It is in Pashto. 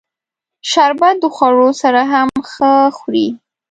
شربت د خوړو سره هم ښه خوري